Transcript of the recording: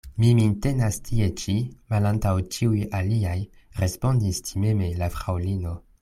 Mi min tenas tie ĉi, malantaŭ ĉiuj aliaj, respondis timeme la fraŭlino.